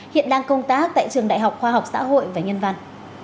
hiện đang công tác tại trường đại học khoa học xã hội và nhân văn